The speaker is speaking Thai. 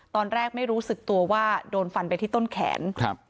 ตอนแรกไม่รู้สึกตัวว่าโดนฟันไปที่ต้นแขนครับ